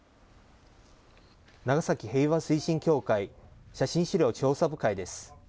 長崎平和推進協会写真資料調査部会です。